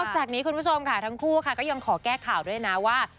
จากนี้คุณผู้ชมค่ะทั้งคู่ค่ะก็ยังขอแก้ข่าวด้วยนะว่า